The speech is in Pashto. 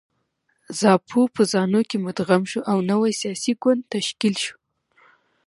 زاپو په زانو کې مدغم شو او نوی سیاسي ګوند تشکیل شو.